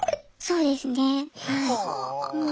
そうですね。はあ。